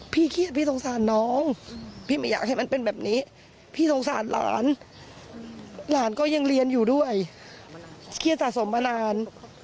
เครียดพี่สงสารน้องพี่ไม่อยากให้มันเป็นแบบนี้พี่สงสารหลานหลานก็ยังเรียนอยู่ด้วยเครียดสะสมมานาน